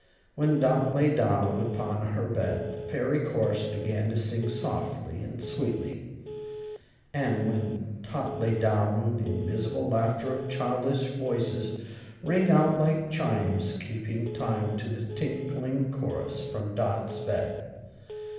When Dot lay down upon her bed, the fairy chorus began to sing softly and sweetly; and when Tot lay down the invisible laughter of childish voices rang out like chimes, keeping time to the tinkling chorus from Dot's bed.